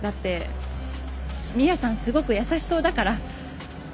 すごく優しそうだから。